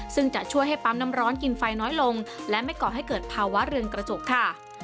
ซึ่งจะช่วยให้ปั๊มน้ำร้อนกินไฟน้อยลงและไม่ก่อให้เกิดภาวะเรือนกระจกค่ะ